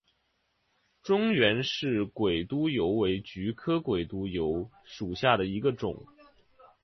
中原氏鬼督邮为菊科鬼督邮属下的一个种。